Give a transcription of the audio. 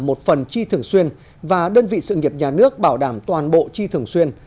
một phần chi thường xuyên và đơn vị sự nghiệp nhà nước bảo đảm toàn bộ chi thường xuyên